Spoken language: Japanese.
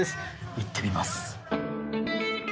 行ってみます。